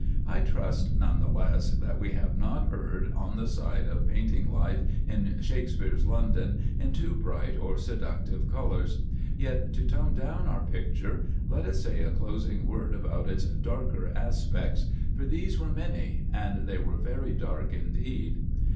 I trust none the less, that we have not erred on the side of painting life in Shakspere's London in too bright or seductive colors. Yet, to tone down our picture, let us say a closing word about its darker aspects; for these were many, and they were very dark indeed.